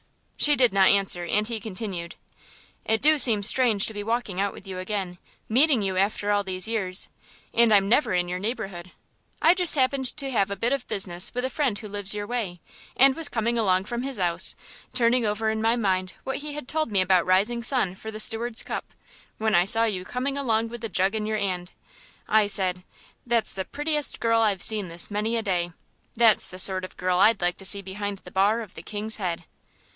She did not answer, and he continued, "It do seem strange to be walking out with you again, meeting you after all these years, and I'm never in your neighbourhood. I just happened to have a bit of business with a friend who lives your way, and was coming along from his 'ouse, turning over in my mind what he had told me about Rising Sun for the Stewards' Cup, when I saw you coming along with the jug in your 'and. I said, 'That's the prettiest girl I've seen this many a day; that's the sort of girl I'd like to see behind the bar of the "King's Head."'